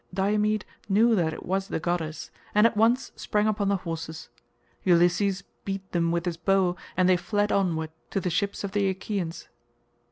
Diomed knew that it was the goddess, and at once sprang upon the horses. Ulysses beat them with his bow and they flew onward to the ships of the Achaeans.